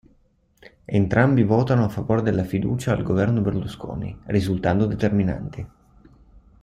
Entrambi votano a favore della fiducia al Governo Berlusconi, risultando determinanti.